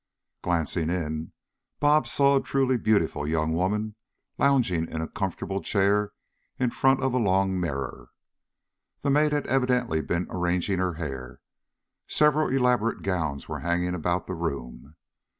Glancing in, Bobs saw a truly beautiful young woman lounging in a comfortable chair in front of a long mirror. The maid had evidently been arranging her hair. Several elaborate gowns were hanging about the room.